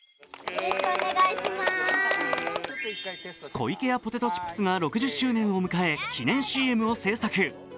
湖池屋ポテトチップスが６０周年を迎え、記念ＣＭを制作。